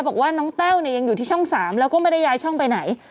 บอกว่าน้องแต้วเนี่ยยังอยู่ที่ช่อง๓แล้วก็ไม่ได้ย้ายช่องไปไหน